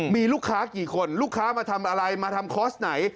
มีลูกค้ากี่คนลูกค้ามาทำอะไรมาทำคอร์สไหน